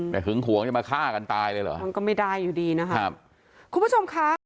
แต่หึงหวงจะมาฆ่ากันตายเลยเหรอมันก็ไม่ได้อยู่ดีนะครับคุณผู้ชมค่ะ